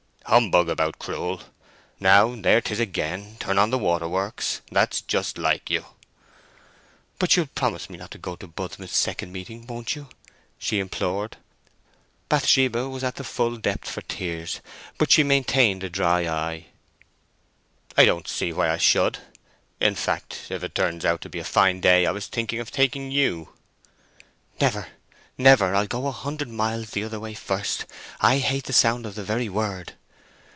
"Humbug about cruel. Now, there 'tis again—turn on the waterworks; that's just like you." "But you'll promise me not to go to Budmouth second meeting, won't you?" she implored. Bathsheba was at the full depth for tears, but she maintained a dry eye. "I don't see why I should; in fact, if it turns out to be a fine day, I was thinking of taking you." "Never, never! I'll go a hundred miles the other way first. I hate the sound of the very word!"